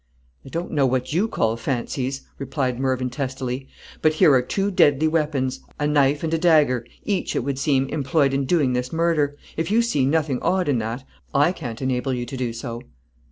"I don't know what you call fancies," replied Mervyn, testily; "but here are two deadly weapons, a knife and a dagger, each, it would seem, employed in doing this murder; if you see nothing odd in that, I can't enable you to do so."